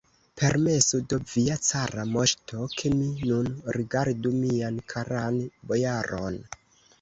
Permesu do, via cara moŝto, ke mi nun rigardu mian karan bojaron!